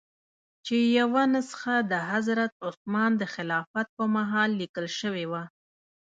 چې یوه نسخه د حضرت عثمان د خلافت په مهال لیکل شوې وه.